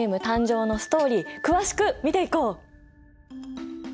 誕生のストーリー詳しく見ていこう！